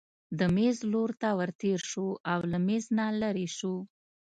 د مېز لور ته ورتېر شو او له مېز نه لیرې شو.